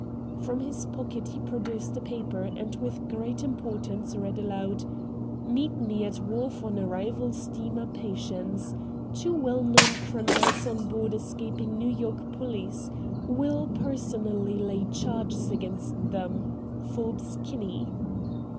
From his pocket he produced a paper and, with great importance, read aloud: "Meet me at wharf on arrival steamer Patience. Two well known criminals on board escaping New York police. Will personally lay charges against them. Forbes Kinney."